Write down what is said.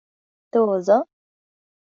どうぞ。